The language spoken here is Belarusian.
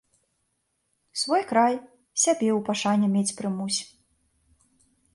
Свой край, сябе ў пашане мець прымусь.